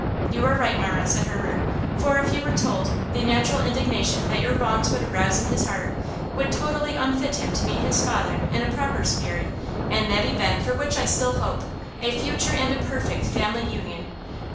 "You are right, Marah," said Herbert, "for if he were told, the natural indignation that your wrongs would arouse in his heart would totally unfit him to meet his father in a proper spirit in that event for which I still hope–a future and a perfect family union!"